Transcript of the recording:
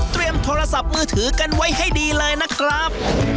โทรศัพท์มือถือกันไว้ให้ดีเลยนะครับ